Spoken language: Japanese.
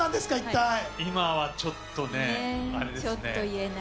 今はちょっとね、あれですね。